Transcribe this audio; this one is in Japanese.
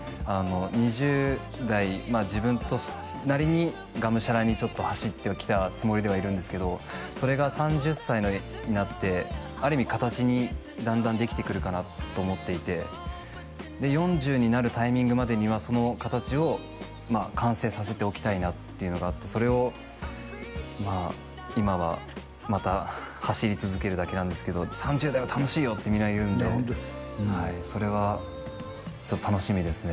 ２０代自分なりにがむしゃらに走ってはきたつもりではいるんですけどそれが３０歳になってある意味形にだんだんできてくるかなと思っていてで４０になるタイミングまでにはその形を完成させておきたいなっていうのがあってそれをまあ今はまた走り続けるだけなんですけど３０代は楽しいよってみんな言うんでそれは楽しみですね